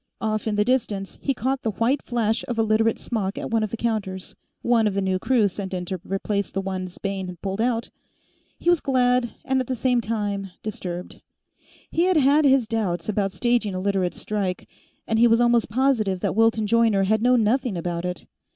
Off in the distance, he caught the white flash of a Literate smock at one of the counters; one of the new crew sent in to replace the ones Bayne had pulled out. He was glad and at the same time disturbed. He had had his doubts about staging a Literates' strike, and he was almost positive that Wilton Joyner had known nothing about it.